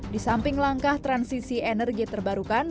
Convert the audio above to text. di samping langkah transisi energi terbarukan